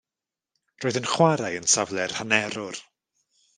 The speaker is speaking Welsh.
Roedd yn chwarae yn safle'r hanerwr.